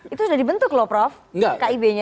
itu sudah dibentuk loh prof kibnya